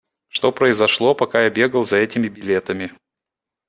Что произошло, пока я бегал за этими билетами?